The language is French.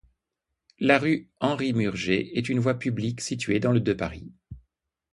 La rue Henri-Murger est une voie publique située dans le de Paris.